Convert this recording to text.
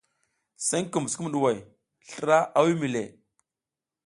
Senkum sukumɗuhoy slra a wimi le.